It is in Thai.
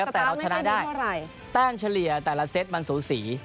แต่เราชนะได้แต้มเฉลี่ยแต่ละเซตมันสูสี